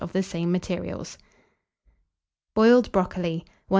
of the same materials. BOILED BROCOLI.